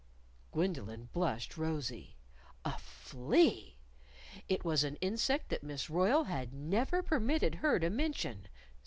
Gwendolyn blushed rosy. A flea! It was an insect that Miss Royle had never permitted her to mention.